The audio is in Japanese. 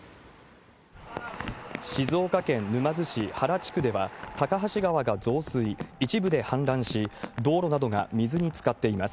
静岡県沼津市原地区では、高橋川が増水、一部で氾濫し、道路などが水につかっています。